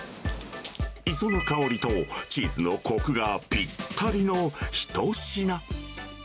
磯の香りとチーズのこくがぴったりの一品。